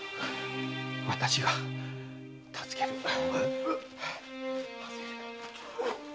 私が助ける！